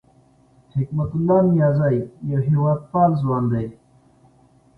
حکمت الله نیازی یو هېواد پال ځوان دی